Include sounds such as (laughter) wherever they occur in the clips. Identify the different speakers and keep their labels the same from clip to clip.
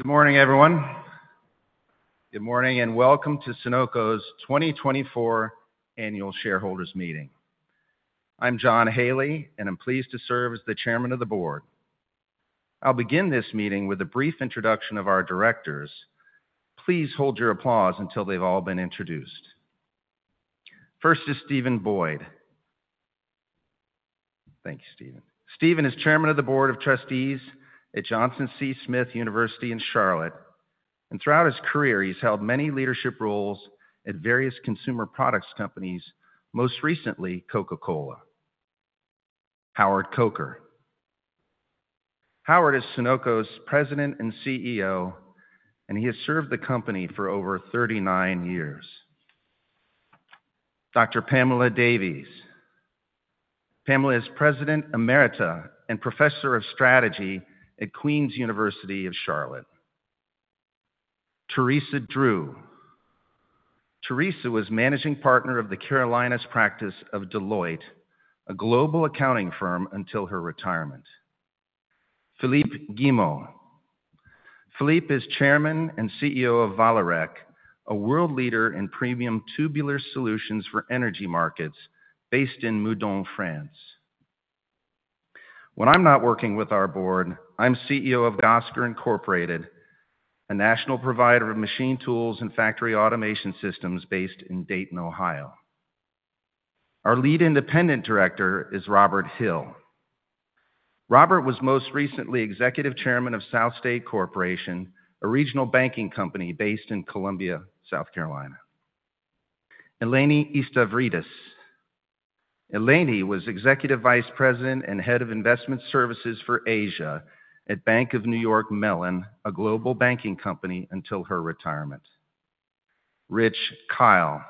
Speaker 1: Good morning, everyone. Good morning, and welcome to Sonoco's 2024 Annual Shareholders Meeting. I'm John Haley, and I'm pleased to serve as the Chairman of the Board. I'll begin this meeting with a brief introduction of our directors. Please hold your applause until they've all been introduced. First is Steven Boyd. Thank you, Steven. Steven is Chairman of the Board of Trustees at Johnson C. Smith University in Charlotte, and throughout his career, he's held many leadership roles at various consumer products companies, most recently, Coca-Cola. Howard Coker. Howard is Sonoco's President and CEO, and he has served the company for over 39 years. Dr. Pamela Davies. Pamela is President Emerita and Professor of Strategy at Queens University of Charlotte. Teresa Drew. Teresa was Managing Partner of the Carolinas practice of Deloitte, a global accounting firm, until her retirement. Philippe Guillemot. Philippe is Chairman and CEO of Vallourec, a world leader in premium tubular solutions for energy markets based in Meudon, France. When I'm not working with our board, I'm CEO of Gosiger Incorporated, a national provider of machine tools and factory automation systems based in Dayton, Ohio. Our Lead Independent Director is Robert Hill. Robert was most recently Executive Chairman of South State Corporation, a regional banking company based in Columbia, South Carolina. Eleni Istavridis. Eleni was Executive Vice President and Head of Investment Services for Asia at Bank of New York Mellon, a global banking company, until her retirement. Rich Kyle.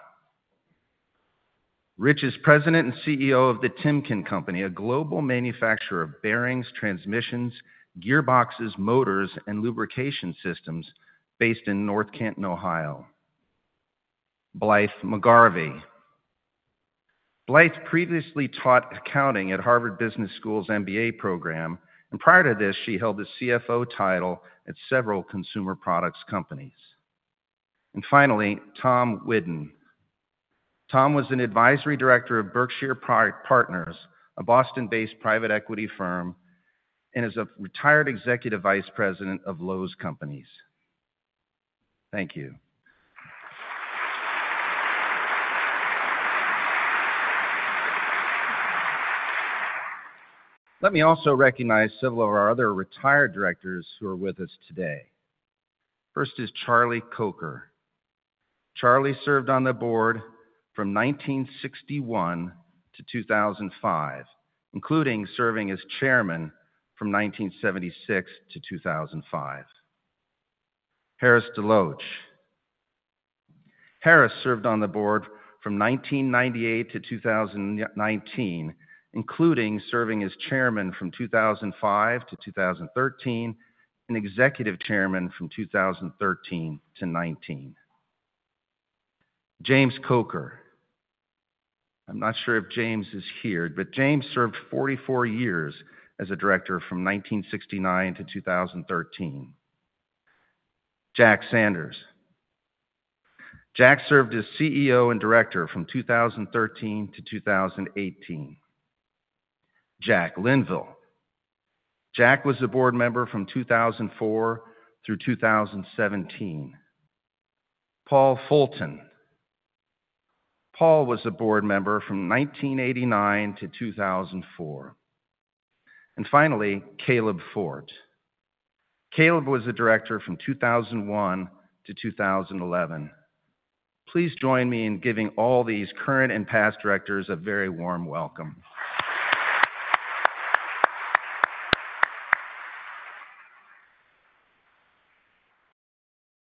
Speaker 1: Rich is President and CEO of the Timken Company, a global manufacturer of bearings, transmissions, gearboxes, motors, and lubrication systems based in North Canton, Ohio. Blythe McGarvie. Blythe previously taught accounting at Harvard Business School's MBA program, and prior to this, she held the CFO title at several consumer products companies. Finally, Tom Whidden. Tom was an Advisory Director of Berkshire Partners, a Boston-based private equity firm, and is a retired Executive Vice President of Lowe's Companies. Thank you. Let me also recognize several of our other retired directors who are with us today. First is Charlie Coker. Charlie served on the board from 1961-2005, including serving as chairman from 1976-2005. Harris DeLoach. Harris served on the board from 1998-2019, including serving as chairman from 2005 to 2013, and Executive Chairman from 2013-2019. James Coker. I'm not sure if James is here, but James served 44 years as a director from 1969-2013. Jack Sanders. Jack served as CEO and Director from 2013-2018. Jack Linville. Jack was a board member from 2004 through 2017. Paul Fulton. Paul was a board member from 1989-2004. And finally, Caleb Fort. Caleb was a director from 2001-2011. Please join me in giving all these current and past directors a very warm welcome.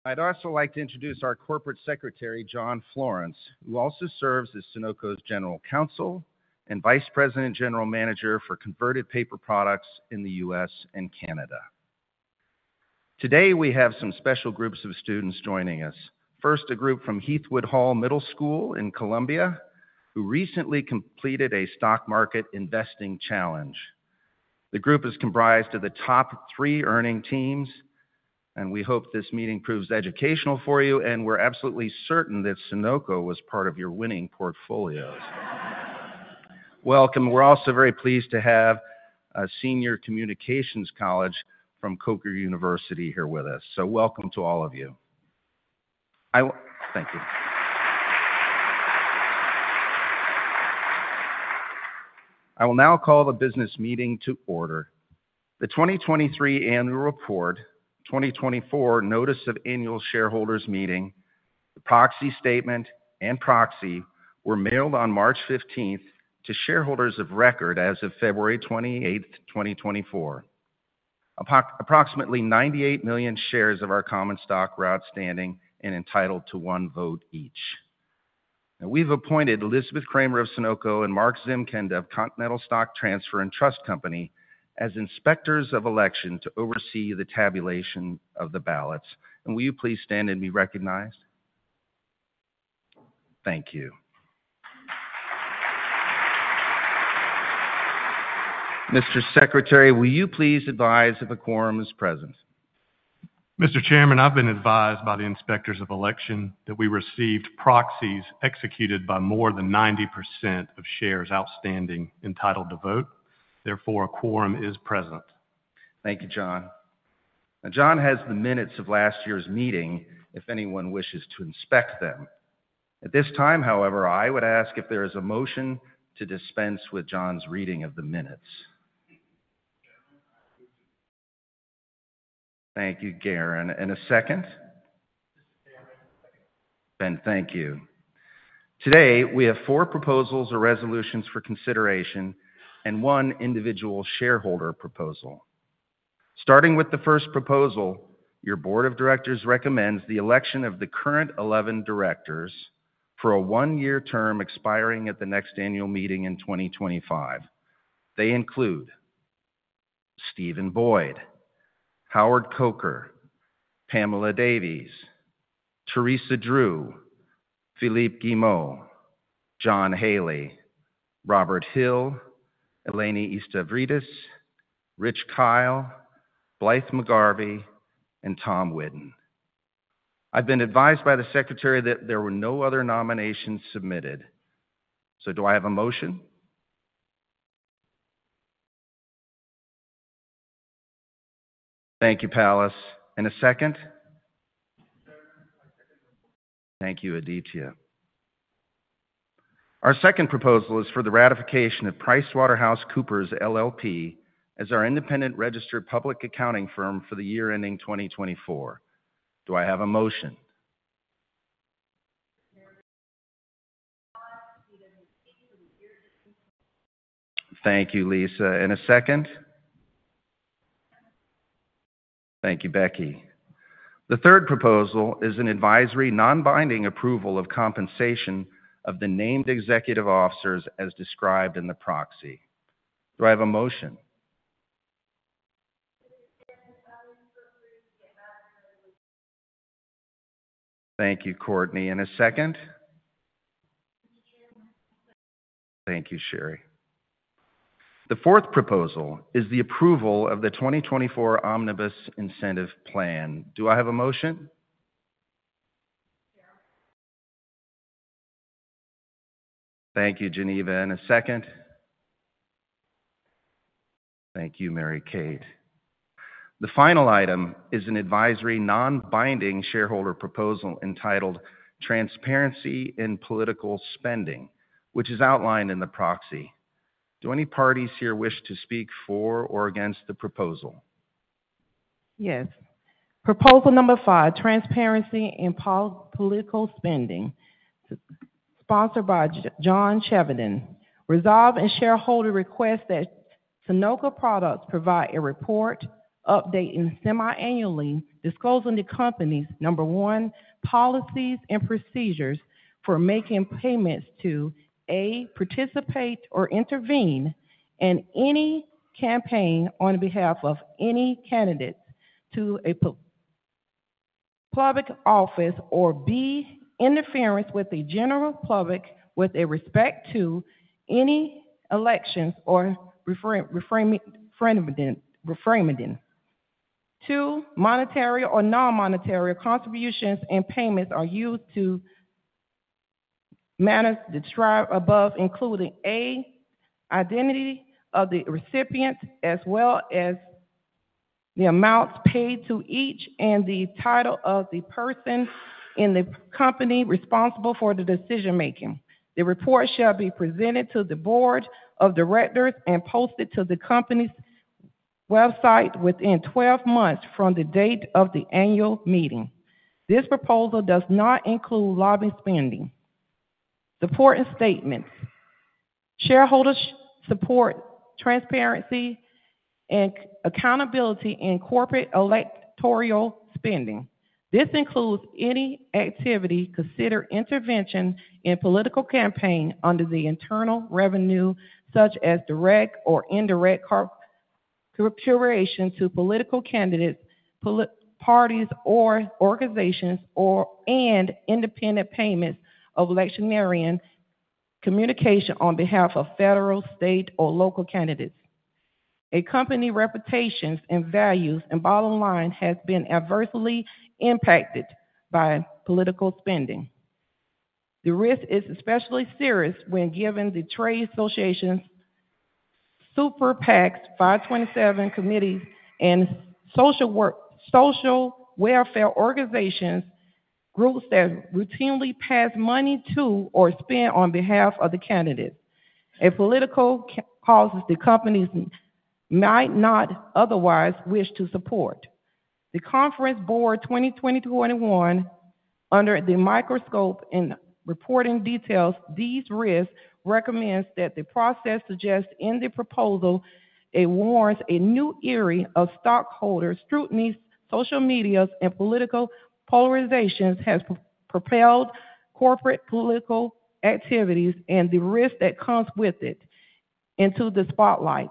Speaker 1: I'd also like to introduce our Corporate Secretary, John Florence, who also serves as Sonoco's General Counsel and Vice President and General Manager for Converted Paper Products in the U.S. and Canada. Today, we have some special groups of students joining us. First, a group from Heathwood Hall Middle School in Columbia, who recently completed a stock market investing challenge. The group is comprised of the top three earning teams, and we hope this meeting proves educational for you, and we're absolutely certain that Sonoco was part of your winning portfolios. Welcome. We're also very pleased to have a Senior Communications College from Coker University here with us, so welcome to all of you. I thank you. I will now call the business meeting to order. The 2023 Annual Report, 2024 Notice of Annual Shareholders Meeting, the proxy statement, and proxy were mailed on March 15th to shareholders of record as of February 28th, 2024. Approximately 98 million shares of our common stock were outstanding and entitled to one vote each. Now, we've appointed Elizabeth Cramer of Sonoco and Mark Zimkind of Continental Stock Transfer and Trust Company as inspectors of election to oversee the tabulation of the ballots. Will you please stand and be recognized? Thank you. Mr. Secretary, will you please advise if a quorum is present?
Speaker 2: Mr. Chairman, I've been advised by the Inspectors of Election that we received proxies executed by more than 90% of shares outstanding entitled to vote. Therefore, a quorum is present.
Speaker 1: Thank you, John. Now, John has the minutes of last year's meeting if anyone wishes to inspect them. At this time, however, I would ask if there is a motion to dispense with John's reading of the minutes.
Speaker 3: Chairman, I move.
Speaker 1: Thank you, Garrin. A second?
Speaker 4: Mr. Chairman, second.
Speaker 1: Ben, thank you. Today, we have four proposals or resolutions for consideration and one individual shareholder proposal. Starting with the first proposal, your board of directors recommends the election of the current 11 directors for a one-year term expiring at the next annual meeting in 2025. They include Steven Boyd, Howard Coker, Pamela Davies, Teresa Drew, Philippe Guillemot, John Haley, Robert Hill, Eleni Istavridis, Rich Kyle, Blythe McGarvie, and Tom Whidden. I've been advised by the secretary that there were no other nominations submitted. So, do I have a motion? Thank you, Thomas. And a second?
Speaker 5: Mr. Chairman, I second the motion.
Speaker 1: Thank you, Aditya. Our second proposal is for the ratification of PricewaterhouseCoopers LLP as our independent registered public accounting firm for the year ending 2024. Do I have a motion?
Speaker 6: (audio distortion)
Speaker 1: Thank you, Lisa. And a second?
Speaker 2: Thank you, Becky. The third proposal is an advisory, non-binding approval of compensation of the named executive officers as described in the proxy. Do I have a motion?
Speaker 7: (audio distortion)
Speaker 1: Thank you, Courtney. And a second?
Speaker 8: Mr. Chairman, second.
Speaker 1: Thank you, Sherry. The fourth proposal is the approval of the 2024 Omnibus Incentive Plan. Do I have a motion?
Speaker 9: (audio distortion)
Speaker 1: Thank you, Geneva. And a second? Thank you, Mary Kate. The final item is an advisory, non-binding shareholder proposal entitled Transparency in Political Spending, which is outlined in the proxy. Do any parties here wish to speak for or against the proposal?
Speaker 10: Yes. Proposal number five, Transparency in Political Spending, sponsored by John Chevedden. Resolve and shareholder request that Sonoco Products provide a report update, and semiannually disclose on the company's, number one, policies and procedures for making payments to, A, participate or intervene in any campaign on behalf of any candidate to a public office, or, B, interference with the general public with respect to any elections or referendum. Two, monetary or non-monetary contributions and payments are used to manage the described above, including, A, identity of the recipient, as well as the amounts paid to each and the title of the person in the company responsible for the decision-making. The report shall be presented to the board of directors and posted to the company's website within 12 months from the date of the annual meeting. This proposal does not include lobbying spending. Supporting statements. Shareholders support transparency and accountability in corporate electoral spending. This includes any activity considered intervention in political campaigns under the Internal Revenue, such as direct or indirect contributions to political candidates, political parties or organizations, and independent payments of electioneering communications on behalf of federal, state, or local candidates. A company's reputation and values, and bottom line has been adversely impacted by political spending. The risk is especially serious when given the trade associations, super PACs, 527 committees, and social welfare organizations, groups that routinely pass money to or spend on behalf of the candidates. A political cause the companies might not otherwise wish to support. The Conference Board 2020-2021 Under the Microscope in Reporting Details These Risks recommends that the process suggests in the proposal, it warrants a new era of stockholder scrutiny. Social media and political polarizations have propelled corporate political activities and the risk that comes with it into the spotlight.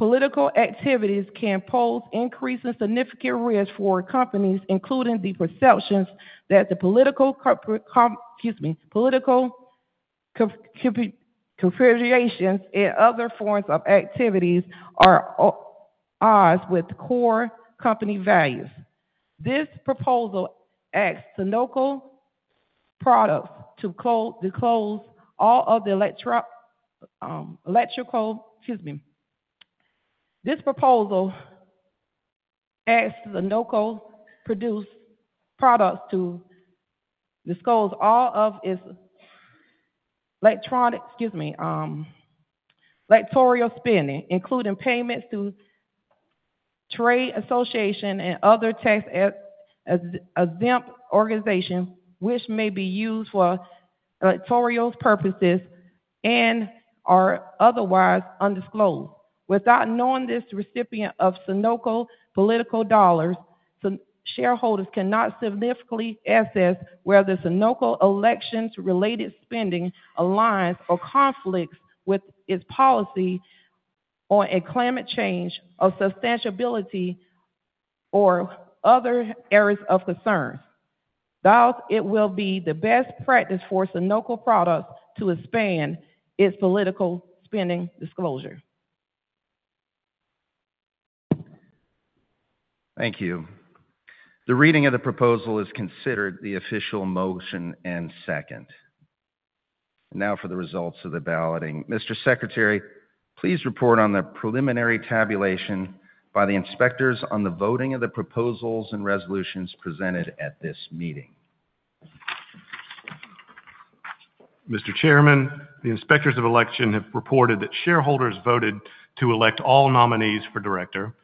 Speaker 10: Political activities can pose increasing significant risk for companies, including the perceptions that the political configurations and other forms of activities are at odds with core company values. This proposal asks Sonoco Products Company to disclose all of its electoral spending, including payments to trade association and other tax-exempt organizations, which may be used for electoral purposes and are otherwise undisclosed. Without knowing the recipients of Sonoco political dollars, shareholders cannot significantly assess whether Sonoco elections-related spending aligns or conflicts with its policy on a climate change or sustainability or other areas of concern. Thus, it will be the best practice for Sonoco Products to expand its political spending disclosure.
Speaker 1: Thank you. The reading of the proposal is considered the official motion and second. Now for the results of the balloting. Mr. Secretary, please report on the preliminary tabulation by the inspectors on the voting of the proposals and resolutions presented at this meeting.
Speaker 2: Mr. Chairman, the Inspectors of Election have reported that shareholders voted to elect all nominees for director,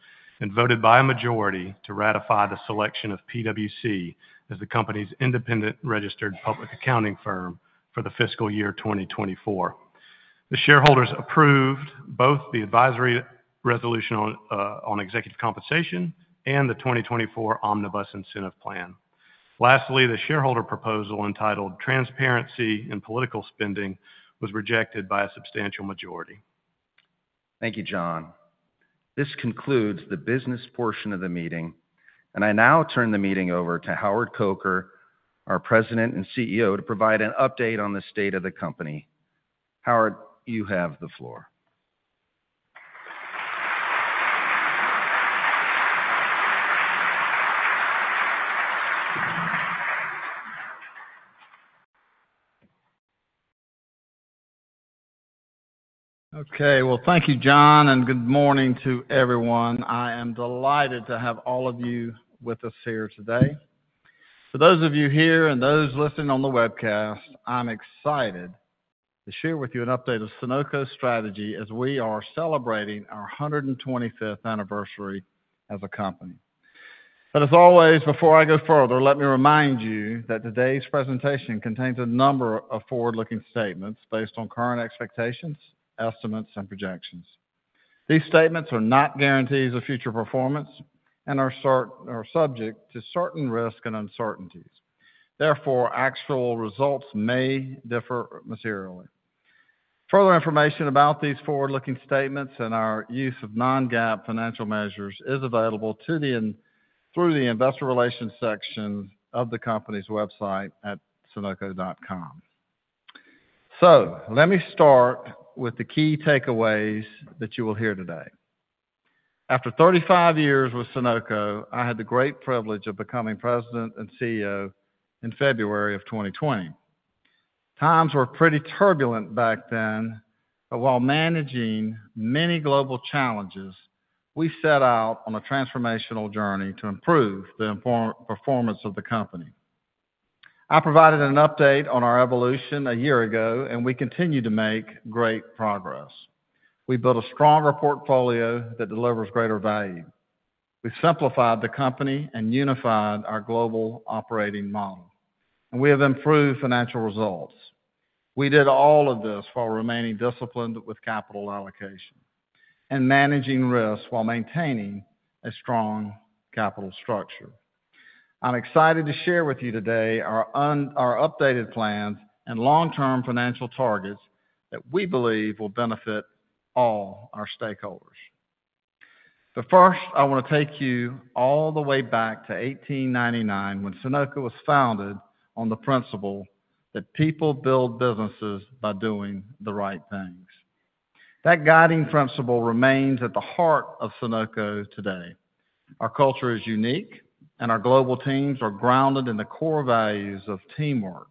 Speaker 2: and voted by a majority to ratify the selection of PwC as the company's independent registered public accounting firm for the fiscal year 2024. The shareholders approved both the advisory resolution on executive compensation and the 2024 Omnibus Incentive Plan. Lastly, the shareholder proposal entitled Transparency in Political Spending was rejected by a substantial majority.
Speaker 1: Thank you, John. This concludes the business portion of the meeting, and I now turn the meeting over to Howard Coker, our President and CEO, to provide an update on the state of the company. Howard, you have the floor.
Speaker 11: Okay, well, thank you, John, and good morning to everyone. I am delighted to have all of you with us here today. For those of you here and those listening on the webcast, I'm excited to share with you an update of Sonoco's strategy as we are celebrating our 125th anniversary as a company. But as always, before I go further, let me remind you that today's presentation contains a number of forward-looking statements based on current expectations, estimates, and projections. These statements are not guarantees of future performance and are certain risks and uncertainties. Therefore, actual results may differ materially. Further information about these forward-looking statements and our use of non-GAAP financial measures is available in the investor relations section of the company's website at sonoco.com. So let me start with the key takeaways that you will hear today. After 35 years with Sonoco, I had the great privilege of becoming President and CEO in February of 2020. Times were pretty turbulent back then, but while managing many global challenges, we set out on a transformational journey to improve the performance of the company. I provided an update on our evolution a year ago, and we continue to make great progress. We built a stronger portfolio that delivers greater value. We simplified the company and unified our global operating model, and we have improved financial results. We did all of this while remaining disciplined with capital allocation and managing risks while maintaining a strong capital structure. I'm excited to share with you today our updated plans and long-term financial targets that we believe will benefit all our stakeholders. But first, I want to take you all the way back to 1899, when Sonoco was founded on the principle that people build businesses by doing the right things. That guiding principle remains at the heart of Sonoco today. Our culture is unique, and our global teams are grounded in the core values of teamwork,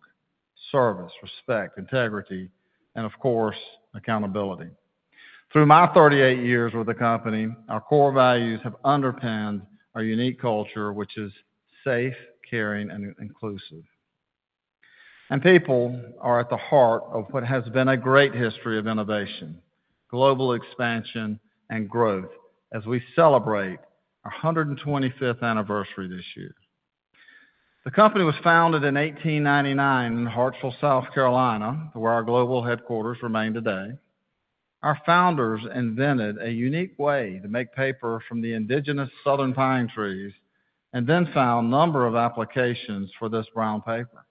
Speaker 11: service, respect, integrity, and of course, accountability. Through my 38 years with the company, our core values have underpinned our unique culture, which is safe, caring, and inclusive. And people are at the heart of what has been a great history of innovation, global expansion, and growth, as we celebrate our 125th anniversary this year. The company was founded in 1899 in Hartsville, South Carolina, where our global headquarters remain today. Our founders invented a unique way to make paper from the indigenous southern pine trees, and then found number of applications for this brown paper....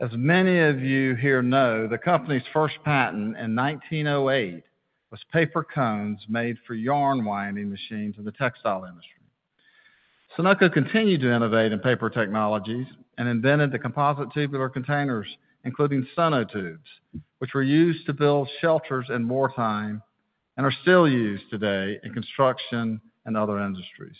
Speaker 11: As many of you here know, the company's first patent in 1908 was paper cones made for yarn winding machines in the textile industry. Sonoco continued to innovate in paper technologies and invented the composite tubular containers, including Sonotubes, which were used to build shelters in wartime and are still used today in construction and other industries.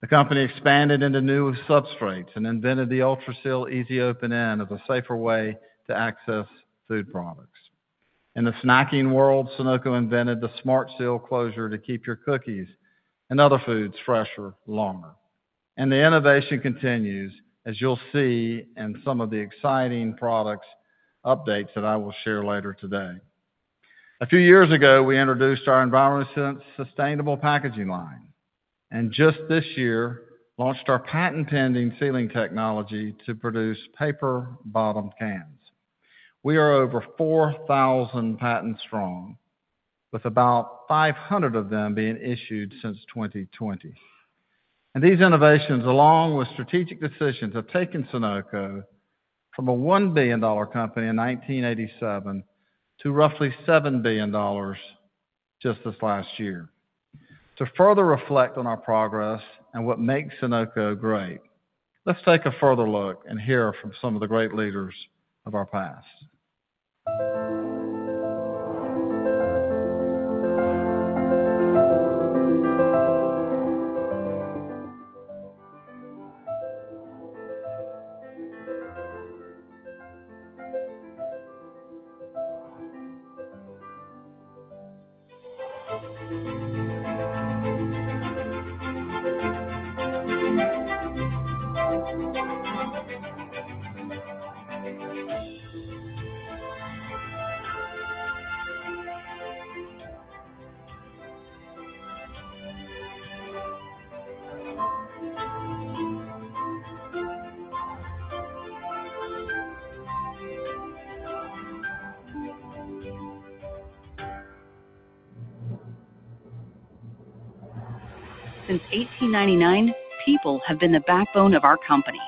Speaker 11: The company expanded into new substrates and invented the Ultra-Seal easy-open end as a safer way to access food products. In the snacking world, Sonoco invented the SmartSeal closure to keep your cookies and other foods fresher, longer. And the innovation continues, as you'll see in some of the exciting products updates that I will share later today. A few years ago, we introduced our EnviroSense, and just this year, launched our patent-pending sealing technology to produce GreenCan. We are over 4,000 patents strong, with about 500 of them being issued since 2020. These innovations, along with strategic decisions, have taken Sonoco from a $1 billion company in 1987 to roughly $7 billion just this last year. To further reflect on our progress and what makes Sonoco great, let's take a further look and hear from some of the great leaders of our past.
Speaker 12: Since 1899, people have been the backbone of our company.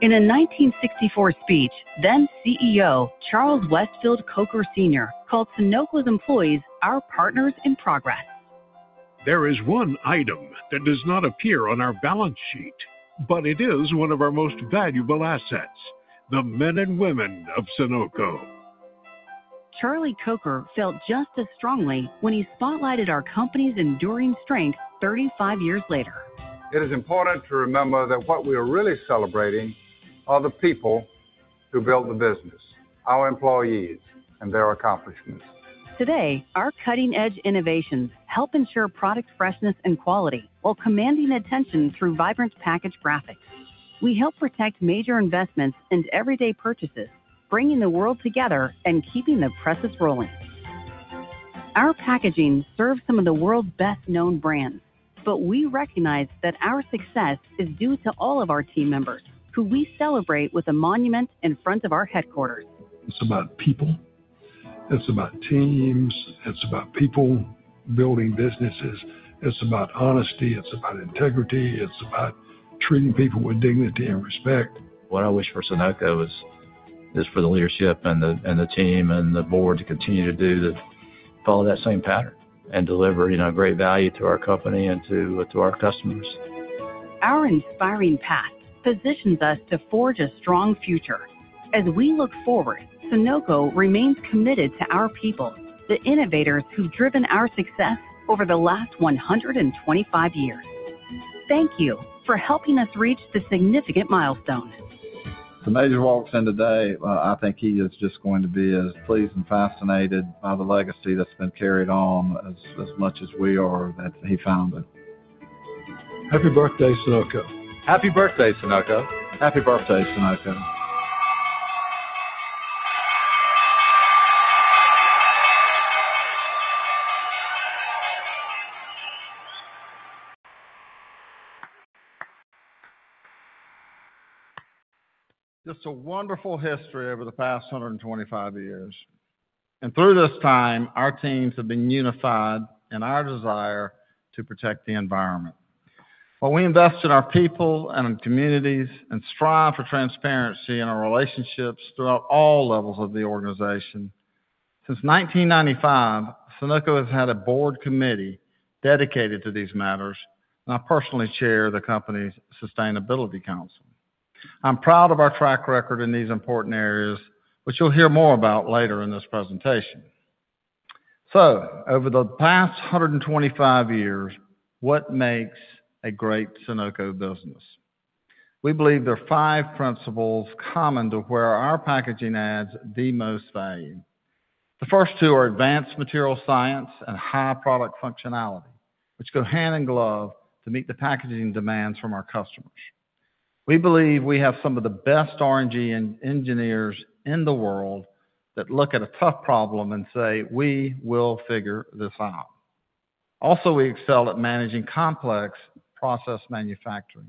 Speaker 12: In a 1964 speech, then CEO, Charles Westfield Coker Sr., called Sonoco's employees, Our partners in progress. There is one item that does not appear on our balance sheet, but it is one of our most valuable assets, the men and women of Sonoco. Charlie Coker felt just as strongly when he spotlighted our company's enduring strength 35 years later. It is important to remember that what we are really celebrating are the people who built the business, our employees, and their accomplishments. Today, our cutting-edge innovations help ensure product freshness and quality while commanding attention through vibrant package graphics. We help protect major investments and everyday purchases, bringing the world together and keeping the presses rolling. Our packaging serves some of the world's best-known brands, but we recognize that our success is due to all of our team members, who we celebrate with a monument in front of our headquarters. It's about people. It's about teams. It's about people building businesses. It's about honesty. It's about integrity. It's about treating people with dignity and respect. What I wish for Sonoco is for the leadership and the team and the board to continue to follow that same pattern and deliver great value to our company and to our customers. Our inspiring past positions us to forge a strong future. As we look forward, Sonoco remains committed to our people, the innovators who've driven our success over the last 125 years. Thank you for helping us reach this significant milestone. If Major walks in today, I think he is just going to be as pleased and fascinated by the legacy that's been carried on as much as we are that he found it. Happy birthday, Sonoco. Happy birthday, Sonoco. Happy birthday, Sonoco.
Speaker 11: Just a wonderful history over the past 125 years. Through this time, our teams have been unified in our desire to protect the environment. While we invest in our people and communities, and strive for transparency in our relationships throughout all levels of the organization, since 1995, Sonoco has had a board committee dedicated to these matters. I personally chair the company's Sustainability Council. I'm proud of our track record in these important areas, which you'll hear more about later in this presentation. Over the past 125 years, what makes a great Sonoco business? We believe there are five principles common to where our packaging adds the most value. The first two are advanced material science and high product functionality, which go hand in glove to meet the packaging demands from our customers. We believe we have some of the best R&D engineers in the world that look at a tough problem and say, "We will figure this out." Also, we excel at managing complex process manufacturing.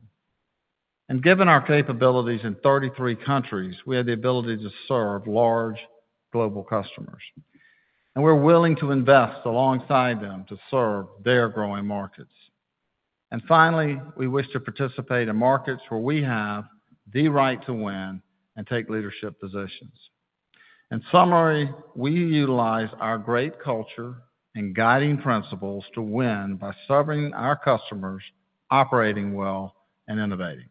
Speaker 11: Given our capabilities in 33 countries, we have the ability to serve large global customers.... and we're willing to invest alongside them to serve their growing markets. Finally, we wish to participate in markets where we have the right to win and take leadership positions. In summary, we utilize our great culture and guiding principles to win by serving our customers, operating well, and innovating.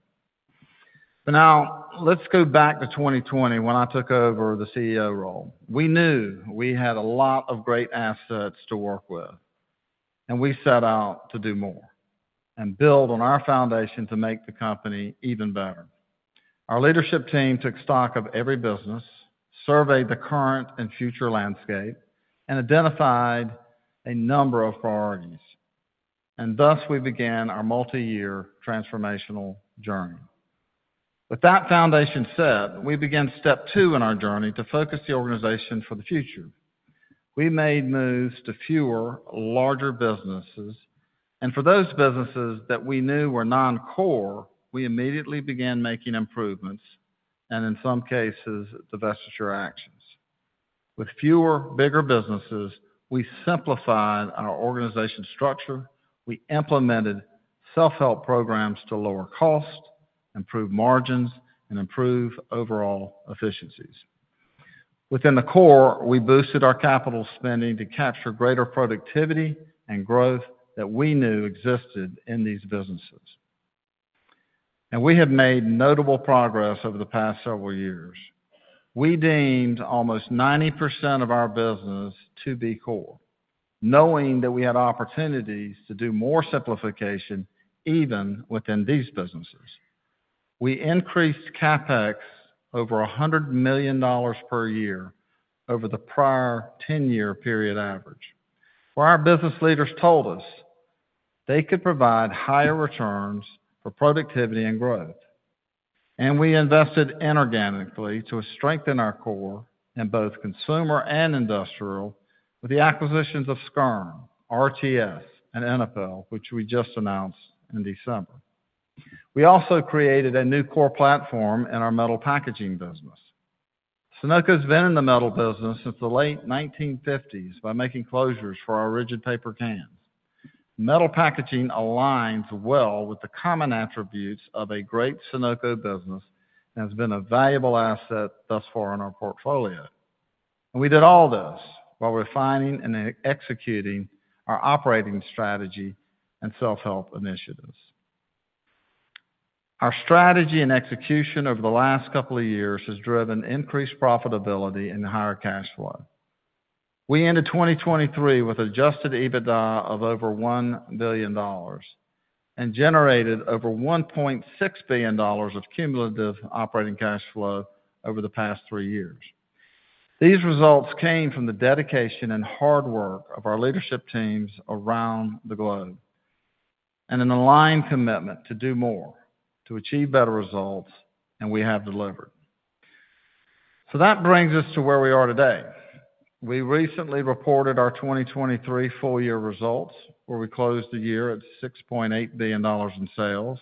Speaker 11: Now, let's go back to 2020, when I took over the CEO role. We knew we had a lot of great assets to work with, and we set out to do more, and build on our foundation to make the company even better. Our leadership team took stock of every business, surveyed the current and future landscape, and identified a number of priorities, and thus we began our multi-year transformational journey. With that foundation set, we began step two in our journey to focus the organization for the future. We made moves to fewer, larger businesses, and for those businesses that we knew were non-core, we immediately began making improvements, and in some cases, divestiture actions. With fewer, bigger businesses, we simplified our organization structure, we implemented self-help programs to lower cost, improve margins, and improve overall efficiencies. Within the core, we boosted our capital spending to capture greater productivity and growth that we knew existed in these businesses. We have made notable progress over the past several years. We deemed almost 90% of our business to be core, knowing that we had opportunities to do more simplification, even within these businesses. We increased CapEx over $100 million per year over the prior 10-year period average, where our business leaders told us they could provide higher returns for productivity and growth. We invested inorganically to strengthen our core in both consumer and industrial, with the acquisitions of Skjern, RTS, and Inapel, which we just announced in December. We also created a new core platform in our metal packaging business. Sonoco's been in the metal business since the late 1950s by making closures for our rigid paper cans. Metal packaging aligns well with the common attributes of a great Sonoco business, and has been a valuable asset thus far in our portfolio. And we did all this while refining and executing our operating strategy and self-help initiatives. Our strategy and execution over the last couple of years has driven increased profitability and higher cash flow. We ended 2023 with adjusted EBITDA of over $1 billion, and generated over $1.6 billion of cumulative operating cash flow over the past three years. These results came from the dedication and hard work of our leadership teams around the globe, and an aligned commitment to do more, to achieve better results, and we have delivered. So that brings us to where we are today. We recently reported our 2023 full year results, where we closed the year at $6.8 billion in sales,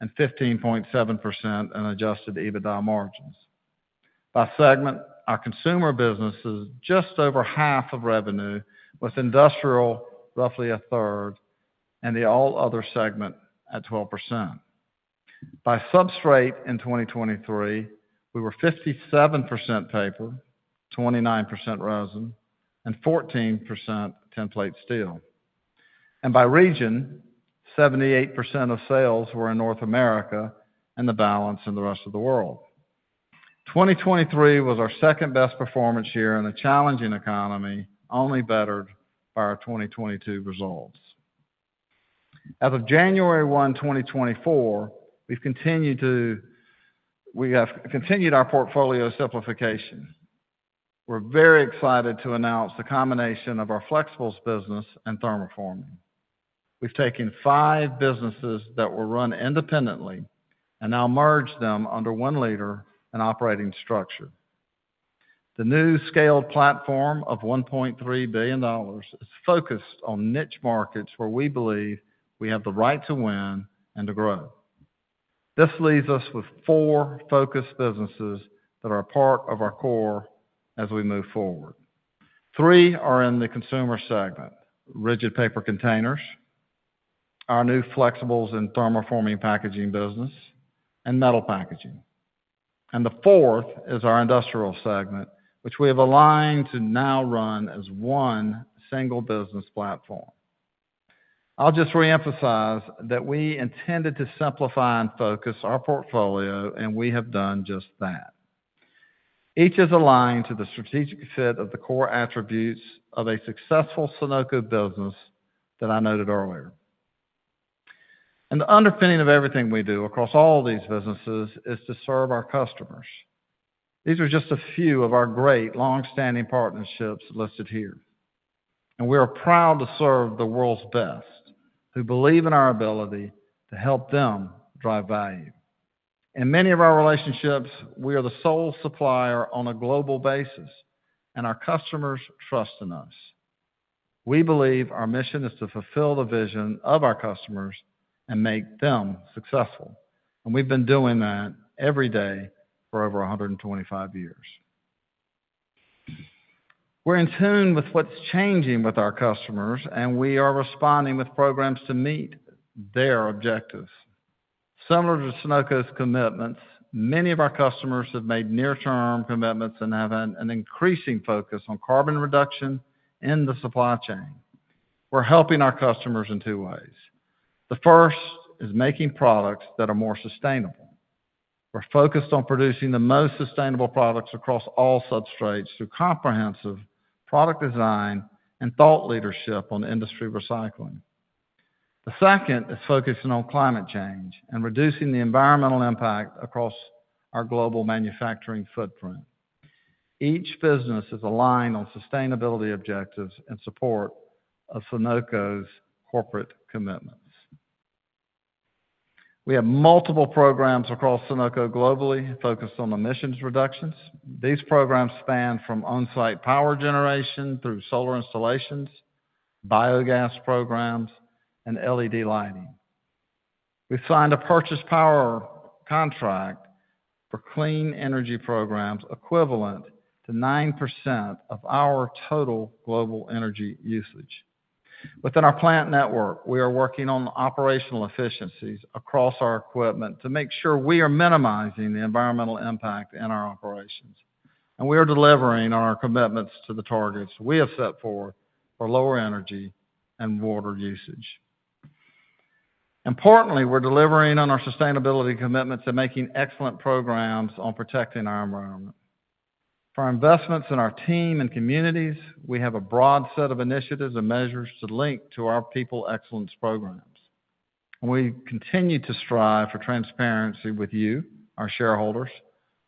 Speaker 11: and 15.7% in adjusted EBITDA margins. By segment, our consumer business is just over half of revenue, with industrial roughly a third, and the all other segment at 12%. By substrate in 2023, we were 57% paper, 29% resin, and 14% tinplate steel. By region, 78% of sales were in North America, and the balance in the rest of the world. 2023 was our second-best performance year in a challenging economy, only bettered by our 2022 results. As of January 1, 2024, we have continued our portfolio simplification. We're very excited to announce the combination of our flexibles business and thermoforming. We've taken 5 businesses that were run independently, and now merged them under one leader and operating structure. The new scaled platform of $1.3 billion is focused on niche markets where we believe we have the right to win and to grow. This leaves us with four focused businesses that are part of our core as we move forward. Three are in the consumer segment: Rigid Paper Containers, our new flexibles and thermoforming packaging business, and metal packaging. And the fourth is our industrial segment, which we have aligned to now run as one single business platform. I'll just reemphasize that we intended to simplify and focus our portfolio, and we have done just that. Each is aligned to the strategic fit of the core attributes of a successful Sonoco business that I noted earlier. And the underpinning of everything we do across all these businesses is to serve our customers. These are just a few of our great, long-standing partnerships listed here, and we are proud to serve the world's best, who believe in our ability to help them drive value. In many of our relationships, we are the sole supplier on a global basis, and our customers trust in us.... We believe our mission is to fulfill the vision of our customers and make them successful, and we've been doing that every day for over 125 years. We're in tune with what's changing with our customers, and we are responding with programs to meet their objectives. Similar to Sonoco's commitments, many of our customers have made near-term commitments and have an increasing focus on carbon reduction in the supply chain. We're helping our customers in two ways. The first is making products that are more sustainable. We're focused on producing the most sustainable products across all substrates through comprehensive product design and thought leadership on industry recycling. The second is focusing on climate change and reducing the environmental impact across our global manufacturing footprint. Each business is aligned on sustainability objectives in support of Sonoco's corporate commitments. We have multiple programs across Sonoco globally focused on emissions reductions. These programs span from on-site power generation through solar installations, biogas programs, and LED lighting. We've signed a purchase power contract for clean energy programs equivalent to 9% of our total global energy usage. Within our plant network, we are working on the operational efficiencies across our equipment to make sure we are minimizing the environmental impact in our operations, and we are delivering on our commitments to the targets we have set forth for lower energy and water usage. Importantly, we're delivering on our sustainability commitments and making excellent programs on protecting our environment. For our investments in our team and communities, we have a broad set of initiatives and measures to link to our people excellence programs. We continue to strive for transparency with you, our shareholders.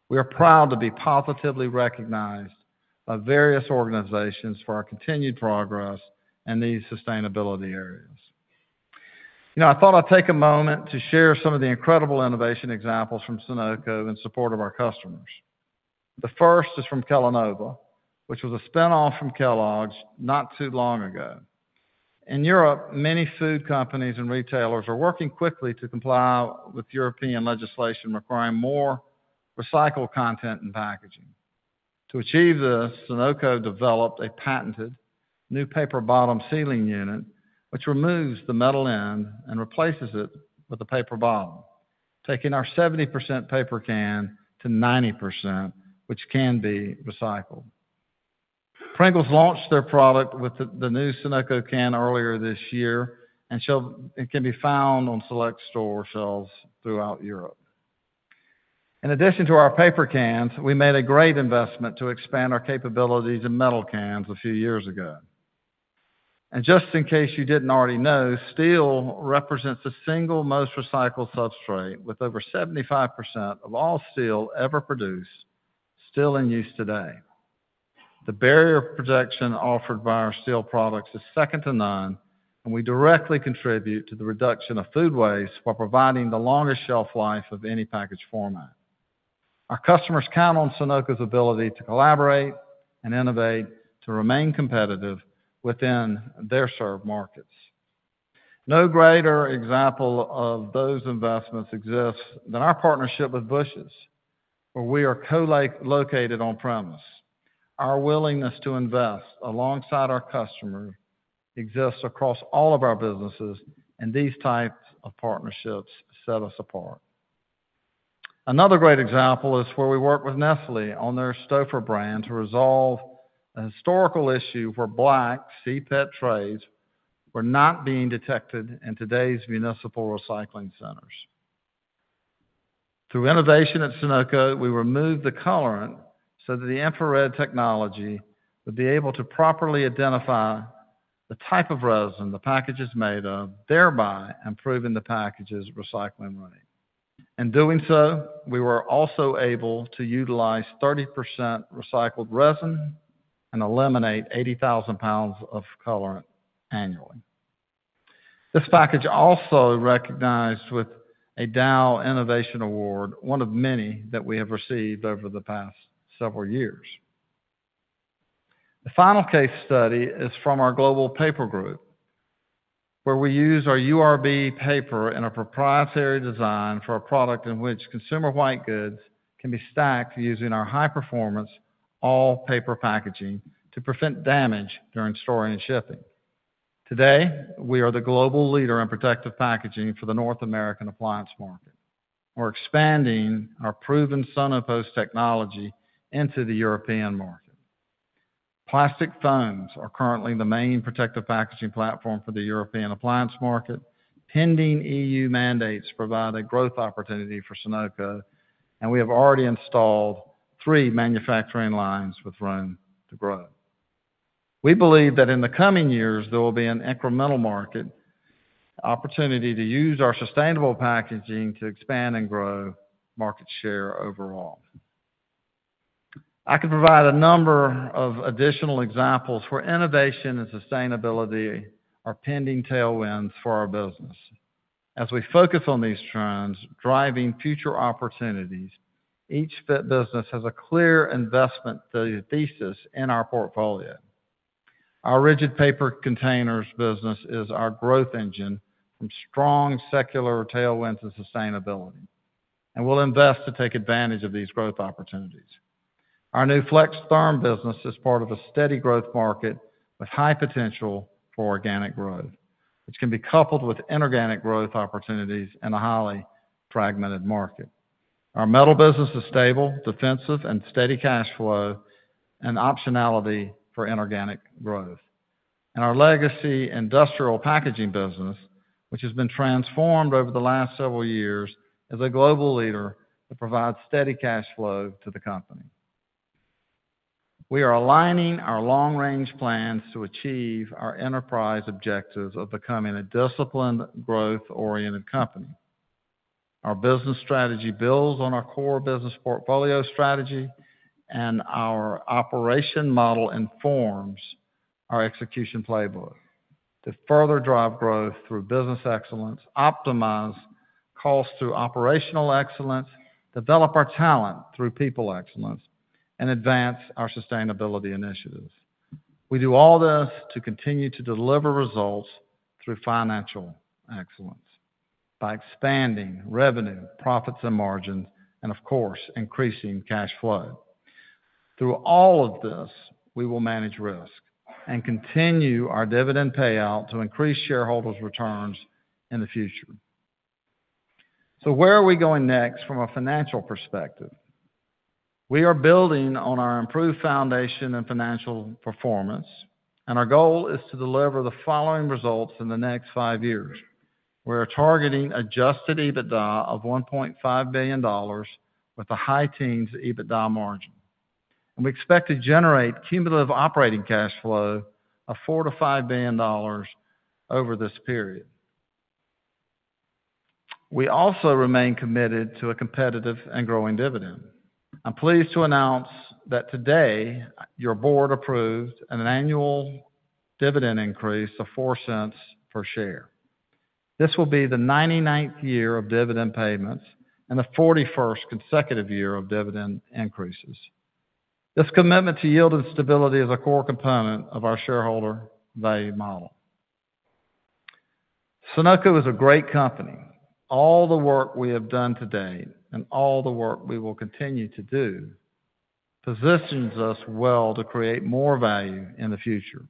Speaker 11: We are proud to be positively recognized by various organizations for our continued progress in these sustainability areas. Now, I thought I'd take a moment to share some of the incredible innovation examples from Sonoco in support of our customers. The first is from Kellanova, which was a spin-off from Kellogg's not too long ago. In Europe, many food companies and retailers are working quickly to comply with European legislation requiring more recycled content in packaging. To achieve this, Sonoco developed a patented new paper bottom sealing unit, which removes the metal end and replaces it with a paper bottom, taking our 70% paper can to 90%, which can be recycled. Pringles launched their product with the new Sonoco can earlier this year, and so it can be found on select store shelves throughout Europe. In addition to our paper cans, we made a great investment to expand our capabilities in metal cans a few years ago. And just in case you didn't already know, steel represents the single most recycled substrate, with over 75% of all steel ever produced still in use today. The barrier protection offered by our steel products is second to none, and we directly contribute to the reduction of food waste while providing the longest shelf life of any package format. Our customers count on Sonoco's ability to collaborate and innovate to remain competitive within their served markets. No greater example of those investments exists than our partnership with Bush's, where we are co-located on premises. Our willingness to invest alongside our customer exists across all of our businesses, and these types of partnerships set us apart. Another great example is where we worked with Nestlé on their Stouffer's brand to resolve a historical issue, where black CPET trays were not being detected in today's municipal recycling centers. Through innovation at Sonoco, we removed the colorant so that the infrared technology would be able to properly identify the type of resin the package is made of, thereby improving the package's recycling rate. In doing so, we were also able to utilize 30% recycled resin and eliminate 80,000 pounds of colorant annually. This package also recognized with a Dow Innovation Award, one of many that we have received over the past several years. The final case study is from our global paper group, where we use our URB paper in a proprietary design for a product in which consumer white goods can be stacked using our high-performance, all-paper packaging to prevent damage during storage and shipping. Today, we are the global leader in protective packaging for the North American appliance market. We're expanding our proven SonoPost technology into the European market. Plastic foams are currently the main protective packaging platform for the European appliance market. Pending EU mandates provide a growth opportunity for Sonoco, and we have already installed three manufacturing lines with room to grow. We believe that in the coming years, there will be an incremental market opportunity to use our sustainable packaging to expand and grow market share overall. I could provide a number of additional examples where innovation and sustainability are pending tailwinds for our business.... As we focus on these trends, driving future opportunities, each fit business has a clear investment thesis in our portfolio. Our Rigid Paper Containers business is our growth engine from strong secular tailwinds of sustainability, and we'll invest to take advantage of these growth opportunities. Our new FlexTherm business is part of a steady growth market with high potential for organic growth, which can be coupled with inorganic growth opportunities in a highly fragmented market. Our metal business is stable, defensive, and steady cash flow, and optionality for inorganic growth. And our legacy industrial packaging business, which has been transformed over the last several years, is a global leader that provides steady cash flow to the company. We are aligning our long-range plans to achieve our enterprise objectives of becoming a disciplined, growth-oriented company. Our business strategy builds on our core business portfolio strategy, and our operation model informs our execution playbook to further drive growth through business excellence, optimize costs through operational excellence, develop our talent through people excellence, and advance our sustainability initiatives. We do all this to continue to deliver results through financial excellence, by expanding revenue, profits, and margins, and of course, increasing cash flow. Through all of this, we will manage risk and continue our dividend payout to increase shareholders' returns in the future. So where are we going next from a financial perspective? We are building on our improved foundation and financial performance, and our goal is to deliver the following results in the next five years. We are targeting adjusted EBITDA of $1.5 billion, with a high-teens EBITDA margin. We expect to generate cumulative operating cash flow of $4 billion-$5 billion over this period. We also remain committed to a competitive and growing dividend. I'm pleased to announce that today, your board approved an annual dividend increase of $0.04 per share. This will be the 99th year of dividend payments and the 41st consecutive year of dividend increases. This commitment to yield and stability is a core component of our shareholder value model. Sonoco is a great company. All the work we have done today, and all the work we will continue to do, positions us well to create more value in the future.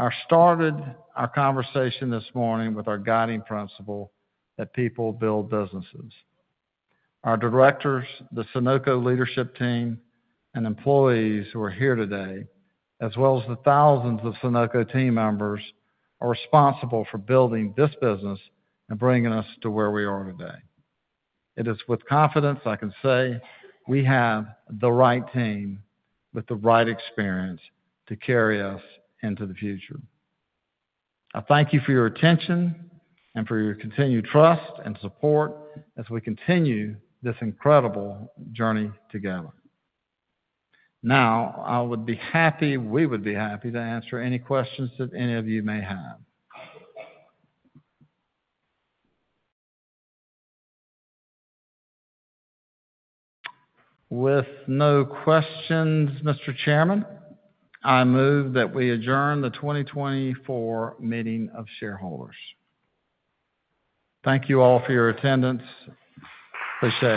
Speaker 11: I started our conversation this morning with our guiding principle that people build businesses. Our directors, the Sonoco leadership team, and employees who are here today, as well as the thousands of Sonoco team members, are responsible for building this business and bringing us to where we are today. It is with confidence I can say we have the right team with the right experience to carry us into the future. I thank you for your attention and for your continued trust and support as we continue this incredible journey together. Now, I would be happy, we would be happy, to answer any questions that any of you may have.
Speaker 2: With no questions, Mr. Chairman, I move that we adjourn the 2024 meeting of shareholders.
Speaker 1: Thank you all for your attendance. Appreciate it.